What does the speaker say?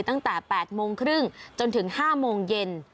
ตั้งแต่๘โมงครึ่งจนถึง๕โมงเย็น